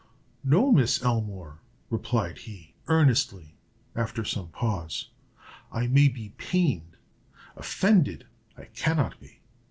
"No, Miss Elmore," replied he, earnestly, after some pause; "I may be pained, offended I cannot be.